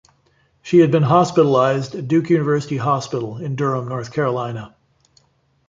She had been hospitalized at Duke University Hospital in Durham, North Carolina.